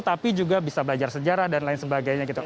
tapi juga bisa belajar sejarah dan lain sebagainya gitu